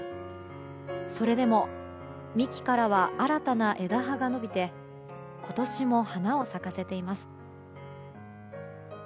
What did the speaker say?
それでも幹からは新たな枝葉が伸びて今年も花を咲かせています。